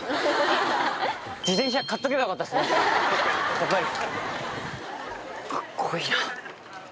やっぱり。